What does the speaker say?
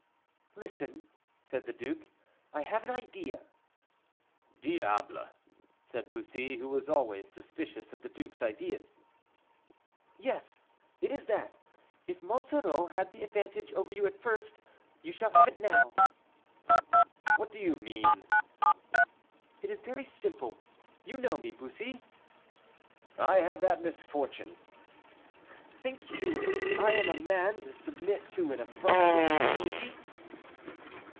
"Listen," said the duke, "I have an idea." "Diable!" said Bussy, who was always suspicious of the duke's ideas. "Yes; it is that, if Monsoreau had the advantage over you at first, you shall have it now." "What do you mean?" "It is very simple; you know me, Bussy?" "I have that misfortune." "Think you I am the man to submit to an affront with impunity?"